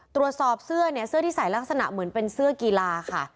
ตรวจสอบเสื้อเนี่ยเสื้อที่ใส่ลักษณะเหมือนเป็นเสื้อกีฬาค่ะ